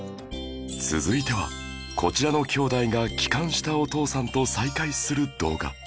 続いてはこちらの兄妹が帰還したお父さんと再会する動画